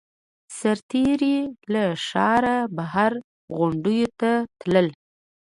سرتېري له ښاره بهر غونډیو ته تلل